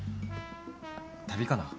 旅かな。